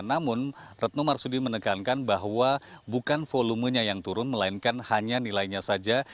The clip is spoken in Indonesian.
namun retno marsudi menekankan bahwa bukan volumenya yang turun melainkan hanya nilainya saja